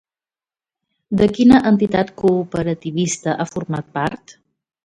De quina entitat cooperativista ha format part?